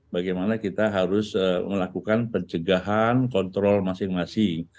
bagaimana kita harus melakukan pencegahan kontrol masing masing